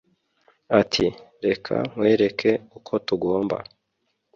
ati reka nkwereke uko tugomba